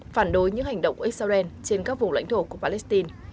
phản đối những hành động của israel trên các vùng lãnh thổ của palestine